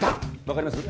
わかります？